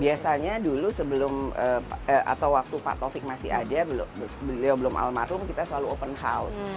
biasanya dulu sebelum atau waktu pak taufik masih ada beliau belum almarhum kita selalu open house